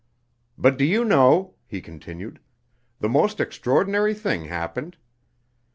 "But do you know," he continued, "the most extraordinary thing happened."